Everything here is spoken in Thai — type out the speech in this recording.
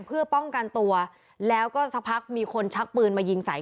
เพื่อป้องกันตัวแล้วก็สักพักมีคนชักปืนมายิงใส่